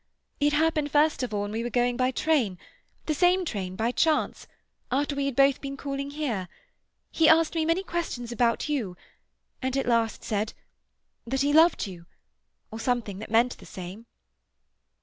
It happened first of all when we were going by train—the same train, by chance—after we had both been calling here. He asked me many questions about you, and at last said—that he loved you—or something that meant the same."